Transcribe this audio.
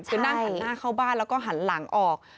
คือนั่งหันหน้าเข้าบ้านแล้วก็หันหลังออก